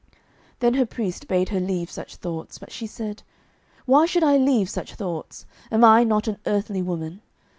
Then her priest bade her leave such thoughts; but she said, "Why should I leave such thoughts? Am I not an earthly woman?